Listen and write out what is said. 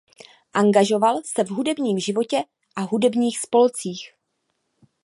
Angažoval se v hudebním životě a hudebních spolcích.